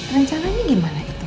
rencananya gimana itu